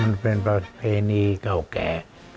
อยู่ในกันเพิ่มแปลนี้เก่าแก่